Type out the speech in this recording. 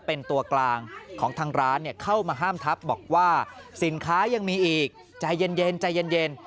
เป็นตัวกลางของทางร้านเข้ามาห้ามทับบอกว่าสินค้ายังมีอีกใจเย็นใจเย็น